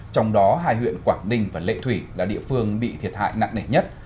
trong đó hai huyện quảng ninh và lệ thủy là địa phương bị thiệt hại nặng nề nhất